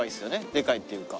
デカいっていうか。